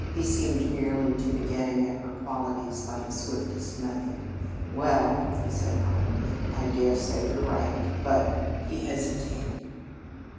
He seemed merely to be getting at her qualities by the swiftest method. "Well," he said finally, "I dare say you're right. But " he hesitated.